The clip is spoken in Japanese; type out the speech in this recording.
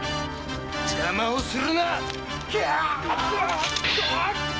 邪魔をするな！